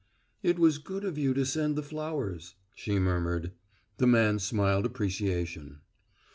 "It was good of you to send the flowers," she murmured. The man smiled appreciation.